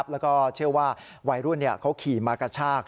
แล้วก็เชื่อว่าวัยรุ่นเขาขี่มากระชาก